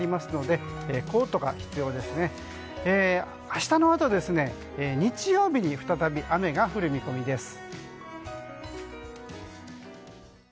明日のあと日曜日に再び雨が降る見込みです。